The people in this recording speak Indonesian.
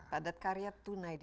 padat karya tunai desa